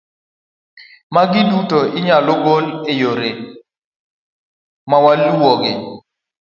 Magi duto inyalo gol e yore maluwogi: